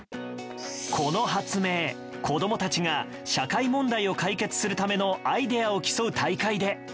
この発明、子供たちが社会問題を解決するためのアイデアを競う大会で。